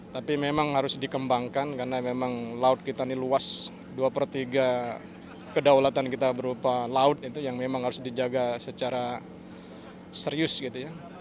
tapi memang harus dikembangkan karena memang laut kita ini luas dua per tiga kedaulatan kita berupa laut itu yang memang harus dijaga secara serius gitu ya